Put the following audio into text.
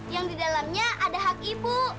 yang di dalamnya ada hak ibu